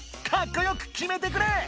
かっこよくきめてくれ！